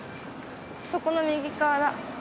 そこの右側だ。